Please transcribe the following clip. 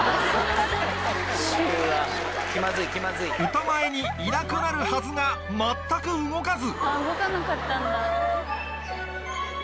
歌前にいなくなるはずが全く動かず